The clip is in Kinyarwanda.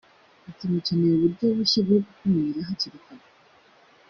Ati"Mukeneye uburyo bushya bwo gukumira hakiri kare